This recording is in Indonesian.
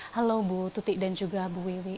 halo bu tuti dan juga bu wiwi